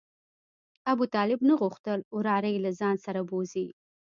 ابوطالب نه غوښتل وراره یې له ځان سره بوځي.